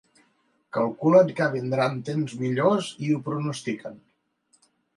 Calculen que vindran temps millors i ho pronostiquen.